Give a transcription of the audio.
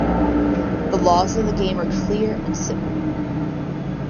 The laws of the game are clear and simple.